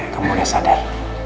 kamu sudah sadar